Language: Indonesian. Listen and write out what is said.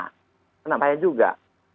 kena saya juga